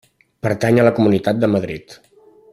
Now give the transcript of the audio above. Pertany a la Comunitat de Madrid.